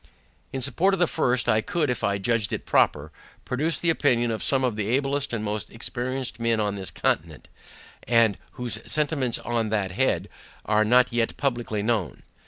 In support of the first, I could, if I judged it proper, produce the opinion of some of the ablest and most experienced men on this continent; and whose sentiments, on that head, are not yet publicly known.